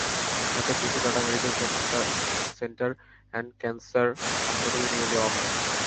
তাঁকে দ্রুত Tata medical centre and cancer হাসপাতালে নিয়ে যাওয়া হয়।